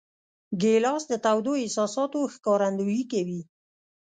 ګیلاس د تودو احساساتو ښکارندویي کوي.